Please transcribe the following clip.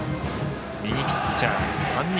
右ピッチャー、３人。